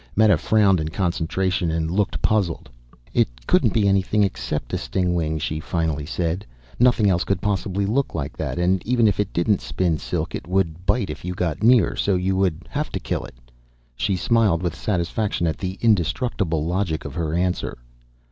Meta frowned in concentration and looked puzzled. "It couldn't be anything except a stingwing," she finally said. "Nothing else could possibly look like that. And even if it didn't spin silk, it would bite if you got near, so you would have to kill it." She smiled with satisfaction at the indestructible logic of her answer.